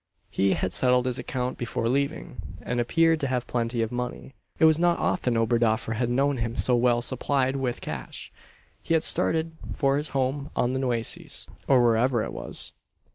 He had settled his account before leaving; and appeared to have plenty of money. It was not often Oberdoffer had known him so well supplied with cash. He had started for his home on the Nueces; or wherever it was.